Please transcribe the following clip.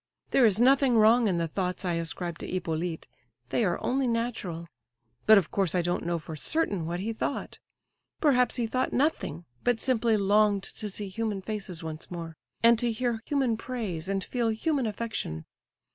"There is nothing wrong in the thoughts I ascribe to Hippolyte; they are only natural. But of course I don't know for certain what he thought. Perhaps he thought nothing, but simply longed to see human faces once more, and to hear human praise and feel human affection.